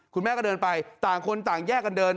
คุณแม่ก็เดินไปต่างคนต่างแยกกันเดิน